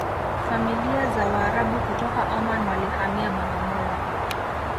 familia za waarabu kutoka Oman walihamia Bagamoyo